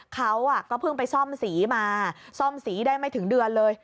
เขาก็เพิ่งไปซ่อมสีมาซ่อมสีได้ไม่ถึงเดือนเลย